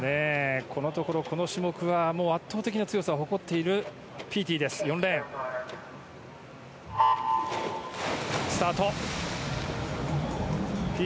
このところ、この種目は圧倒的な強さを誇っているピーティ。